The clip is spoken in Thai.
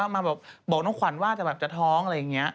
มาบอกน้องขวัญว่าจะแบบจะท้องอะไรอย่างนี้